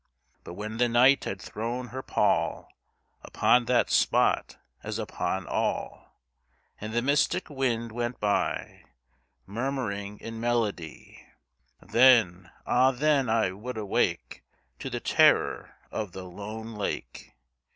But when the Night had thrown her pall Upon the spot, as upon all, And the mystic wind went by Murmuring in melody Then ah, then, I would awake To the terror of the lone lake.